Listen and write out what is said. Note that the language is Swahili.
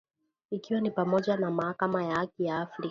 ikiwa ni pamoja na Mahakama ya Haki ya Afrika,